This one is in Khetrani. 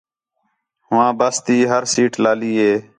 ہوآں بس تی ہر سیٹ لالی ہِے